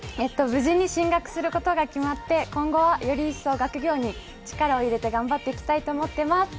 無事に進学することが決まって今後はより一層、学業に力を入れて頑張っていきます。